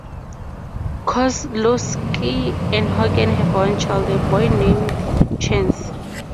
Kozlowski and Hogan have one child, a boy named Chance.